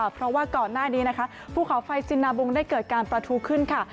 เพราะว่าก่อนหน้านี้นะคะภูเขาไฟสินนาบุงได้เกิดการประทูขึ้นค่ะ